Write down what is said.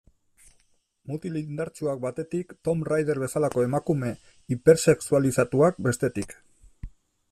Mutil indartsuak batetik, Tomb Raider bezalako emakume hipersexualizatuak bestetik.